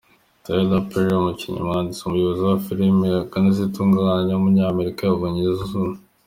Tyler Perry, umukinnyi, umwanditsi, umuyobozi wa film akanazitunganya w’umunyamerika yabonye izuba.